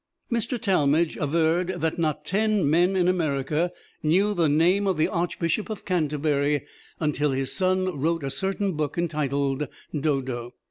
Mr. Talmage averred that not ten men in America knew the name of the Archbishop of Canterbury until his son wrote a certain book entitled "Dodo."